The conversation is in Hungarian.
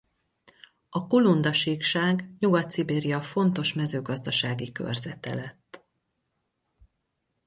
A Kulunda-síkság Nyugat-Szibéria fontos mezőgazdasági körzete lett.